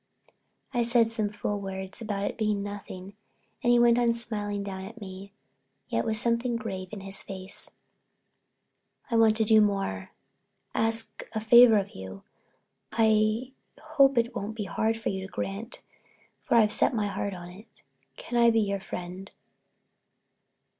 I said some fool words about its being nothing and he went on smiling down at me, yet with something grave in his face. "I want to do more—ask a favor of you. I hope it won't be hard to grant for I've set my heart on it. Can I be your friend?"